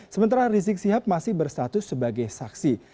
sementara rizik sihab masih berstatus sebagai saksi